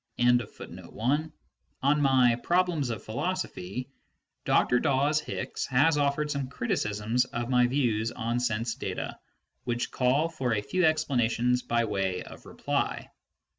In a very courteous article ^ on my Problems of Philosophy Dr. Dawes Hicks has offered some criticisms of my views on sense data which call for a few explanations by way of reply.